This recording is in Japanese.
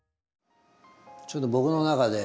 ちょっと僕の中で。